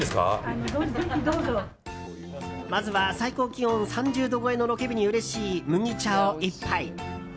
まずは、最高気温３０度超えのロケ日にうれしい麦茶を１杯。